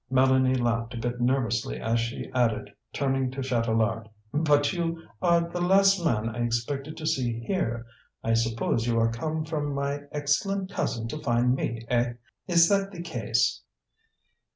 Mélanie laughed a bit nervously as she added, turning to Chatelard: "But you are the last man I expected to see here. I suppose you are come from my excellent cousin to find me, eh? Is that the case?"